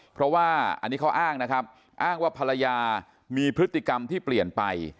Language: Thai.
เพราะว่าอันนี้เขาอ้างนะครับอ้างว่าภรรยามีพฤติกรรมที่เปลี่ยนไป